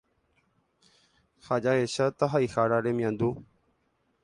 ha jahecháta haihára remiandu.